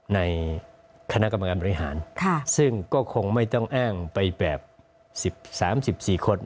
ในคณะกรรมการบริหารซึ่งก็คงไม่ต้องแอ้งไปแบบสิบสามสิบสี่คน